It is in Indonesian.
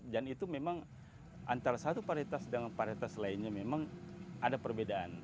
dan itu memang antara satu paritas dengan paritas lainnya memang ada perbedaan